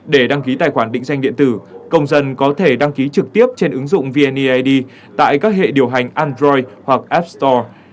để đăng ký tài khoản định danh điện tử công dân có thể đăng ký trực tiếp trên ứng dụng vneid tại các hệ điều hành android hoặc app store